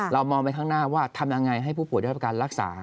มองไปข้างหน้าว่าทำยังไงให้ผู้ป่วยได้รับการรักษา